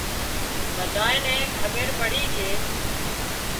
ٻۮانئين کٻير پڙي ڪي